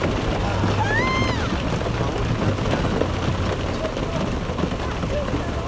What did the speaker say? ちょちょっと大丈夫なの？